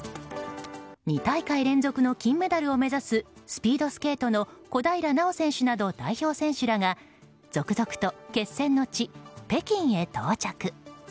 ２大会連続の金メダルを目指すスピードスケートの小平奈緒選手など代表選手らが続々と決戦の地、北京へ到着。